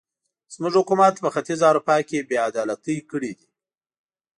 زموږ حکومت په ختیځه اروپا کې بې عدالتۍ کړې دي.